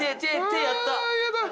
手やった。